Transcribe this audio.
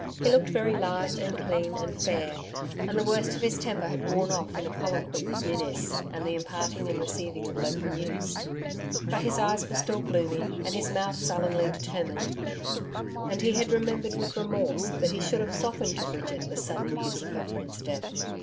He looked very large and clean and fair, and the worst of his temper had worn off in a colloquy with Ninnis, and the imparting and receiving of local news. But his eyes were still gloomy, and his mouth sullenly determined. And he had remembered with remorse that he should have softened to Bridget the sudden news of her friend's death.